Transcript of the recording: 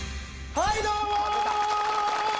はいどうも！